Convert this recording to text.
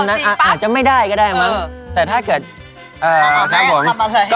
ถ้าดูจะดูว่ามีใครปิดทองมาข้างหลังก็